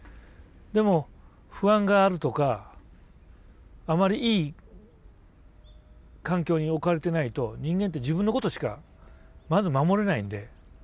でも不安があるとかあまりいい環境に置かれていないと人間って自分のことしかまず守れないので。